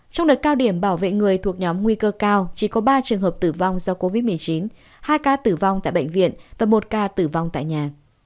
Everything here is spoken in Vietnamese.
trong đợt cao điểm bảo vệ người thuộc nhóm nguy cơ cao chỉ có ba trường hợp tử vong do covid một mươi chín hai ca tử vong tại bệnh viện và một ca tử vong tại nhà